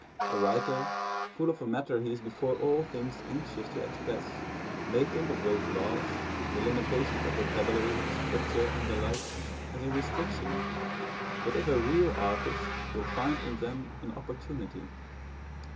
A writer, full of a matter he is before all things anxious to express, may think of those laws, the limitations of vocabulary, structure, and the like, as a restriction, but if a real artist will find in them an opportunity.